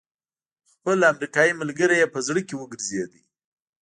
خپل امريکايي ملګری يې په زړه کې وګرځېد.